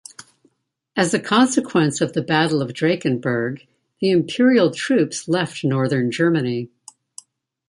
As a consequence of the Battle of Drakenburg, the Imperial troops left northern Germany.